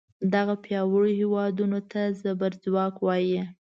دغو پیاوړو هیوادونو ته زبر ځواک وایي.